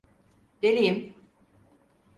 Deliyim.